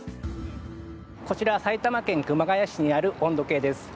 こちら埼玉県熊谷市にある温度計です。